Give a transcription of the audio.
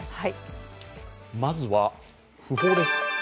まずは、訃報です。